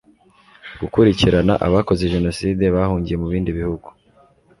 gukurikirana abakoze jenoside bahungiye mu bindi bihugu